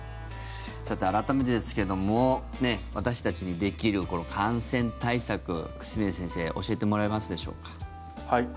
さて改めてですけども私たちにできるこの感染対策久住先生教えてもらえますでしょうか。